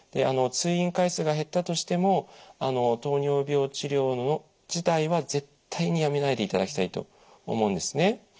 通院回数が減ったとしても糖尿病治療自体は絶対にやめないでいただきたいと思うんですね。